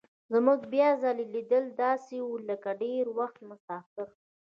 زموږ بیا ځلي لیدل داسې وو لکه د ډېر وخت مسافر.